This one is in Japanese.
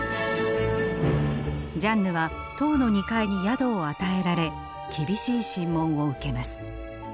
ジャンヌは塔の２階に宿を与えられ厳しい審問を受けます。